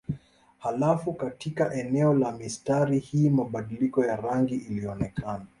Halafu katika eneo la mistari hii mabadiliko ya rangi ilionekana.